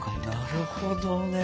なるほどね。